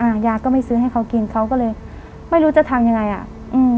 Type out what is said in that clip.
ยาก็ไม่ซื้อให้เขากินเขาก็เลยไม่รู้จะทำยังไงอ่ะอืม